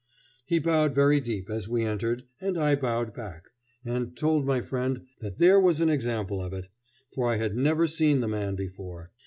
He bowed very deep as we entered, and I bowed back, and told my friend that there was an example of it; for I had never seen the man before.